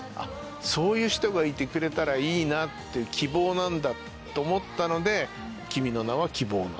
そういう人がいてくれたらいいなっていう希望なんだと思ったので。